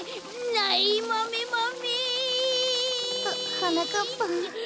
ははなかっぱん。